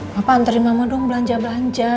papa antarin mama dong belanja belanja